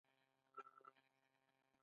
ایا زه باید په کندز کې اوسم؟